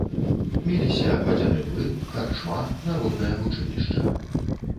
Меліся вадзяны млын, карчма, народнае вучылішча.